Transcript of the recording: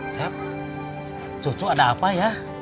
saya cucu ada apa ya